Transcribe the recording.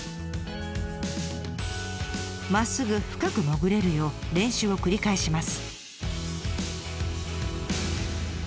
まっすぐ深く潜れるよう練習を繰り返します。